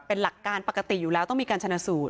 เป็นหลักการปกติอยู่แล้วต้องมีการชนะสูตร